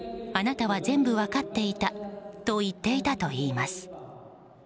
あなたは全部分かっていたと言っていたといいます。